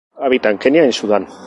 Habita en Kenia y Sudán.